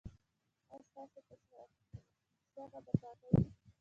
ایا ستاسو کاشوغه به پاکه وي؟